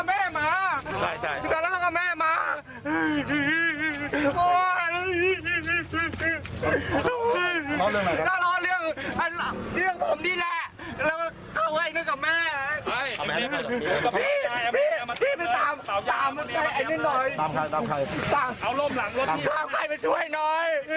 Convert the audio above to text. พี่ไปตามตามใครอันนน้อย